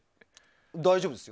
大丈夫ですよ。